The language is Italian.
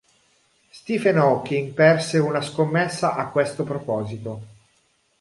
Stephen Hawking perse una scommessa a questo proposito.